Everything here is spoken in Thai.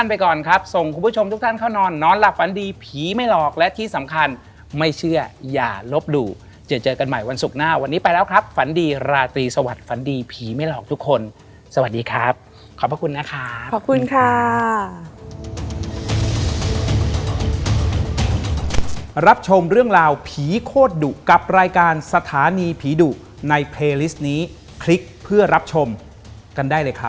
แม่ก็แบบเออออกละกันคือมันก็ต้องมันปฏิเสธมาแบบสิบอันแล้วมันก็ต้องเออ